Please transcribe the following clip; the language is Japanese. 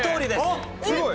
あっすごい。